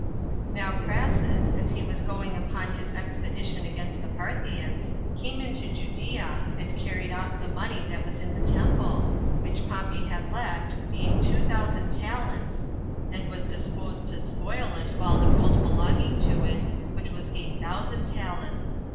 1. Now Crassus, as he was going upon his expedition against the Parthians, came into Judea, and carried off the money that was in the temple, which Pompey had left, being two thousand talents, and was disposed to spoil it of all the gold belonging to it, which was eight thousand talents.